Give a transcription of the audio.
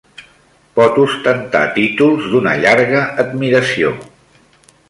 Pot ostentar títols d'una llarga admiració.